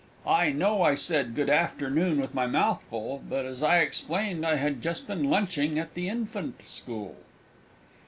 "I know I said 'Good Afternoon' with my mouth full but, as I explained, I had just been lunching at the Infant School!"